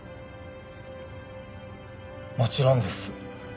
もちろんです。